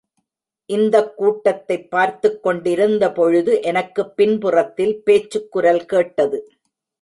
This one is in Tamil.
இந்தக் கூட்டத்தைப் பார்த்துக் கொண்டிருந்தபொழுது எனக்குப் பின்புறத்தில் பேச்சுக்குரல் கேட்டது.